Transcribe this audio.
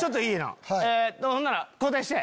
ほんなら交代して。